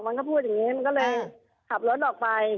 มันก็พูดอย่างนี้มันก็เลยขับรถออกไป